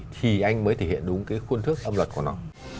thì anh mới thể hiện đúng cái khuôn thước âm luật của nó